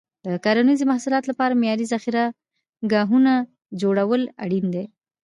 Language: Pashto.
د کرنیزو محصولاتو لپاره معیاري ذخیره ګاهونه جوړول اړین دي.